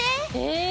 え！